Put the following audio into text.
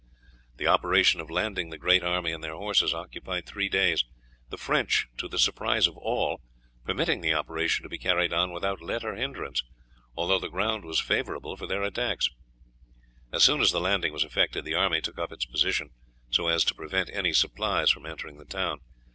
The operation of landing the great army and their horses occupied three days, the French, to the surprise of all, permitting the operation to be carried on without let or hindrance, although the ground was favourable for their attacks, As soon as the landing was effected the army took up its position so as to prevent any supplies from entering the town.